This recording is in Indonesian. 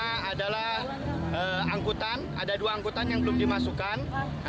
yang pertama adalah angkutan ada dua angkutan yang belum dimasukkan